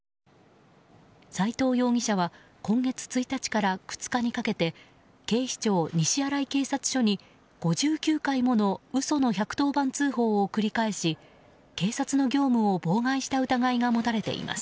斉藤容疑者は今月１日から２日にかけて警視庁西新井警察署に５９回もの嘘の１１０番通報を繰り返し警察の業務を妨害した疑いが持たれています。